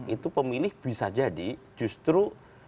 itu pemilih bisa jadi justru